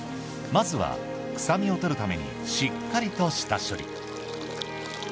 まずは臭みをとるためにしっかりと下処理。